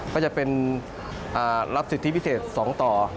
ก็จะเป็นรับสิทธิพิเศษ๒ต่อ